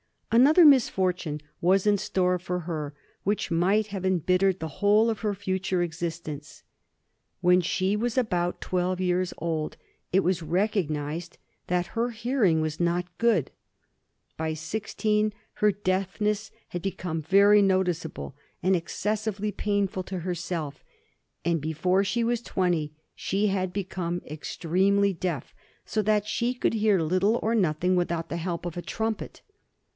Another misfortune was in store for her, which might have embittered the whole of her future existence. When she was about twelve years old it was recognised that her hearing was not good; by sixteen her deafness had become very noticeable, and excessively painful to herself; and before she was twenty she had become extremely deaf, so that she could hear little or nothing without the help of a trumpet.